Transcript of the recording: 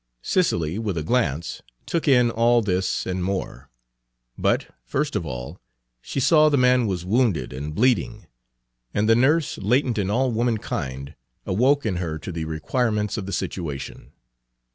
Cicely with a glance took in all this and more. But, first of all, she saw the man was wounded and bleeding, and the nurse latent in all womankind awoke in her to the requirements of the situation.